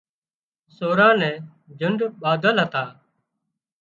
سوران نين جنڍ ٻانڌل هتان